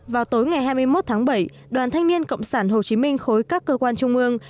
vào tối ngày hai mươi một tháng bảy đoàn thanh niên cộng sản hồ chí minh khối các cơ quan trung ương